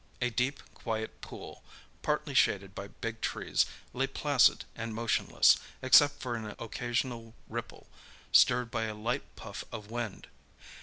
A deep, quiet pool, partly shaded by big trees, lay placid and motionless, except for an occasional ripple, stirred by a light puff of wind.